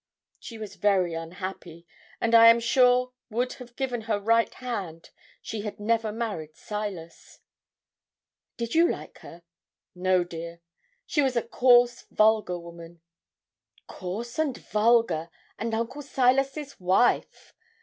She was very unhappy, and I am sure would have given her right hand she had never married Silas.' 'Did you like her?' 'No, dear; she was a coarse, vulgar woman.' 'Coarse and vulgar, and Uncle Silas's wife!'